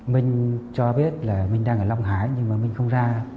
minh cho biết là minh đang ở long hải nhưng mà minh không ra